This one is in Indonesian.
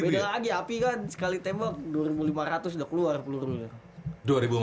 beda lagi api kan sekali tembak rp dua lima ratus udah keluar peluru